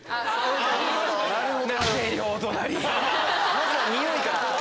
まずはにおいから！